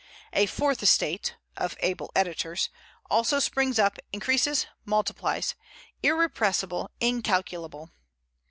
"A Fourth Estate (of able editors) also springs up, increases, multiplies; irrepressible, incalculable."